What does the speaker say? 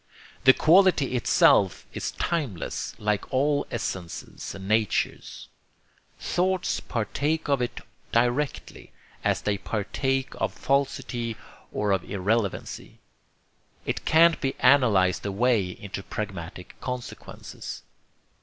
The quality itself is timeless, like all essences and natures. Thoughts partake of it directly, as they partake of falsity or of irrelevancy. It can't be analyzed away into pragmatic consequences."